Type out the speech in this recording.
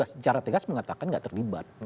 tapi secara tegas mengatakan gak terlibat